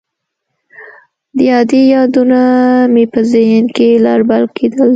د ادې يادونه مې په ذهن کښې لر بر کېدل.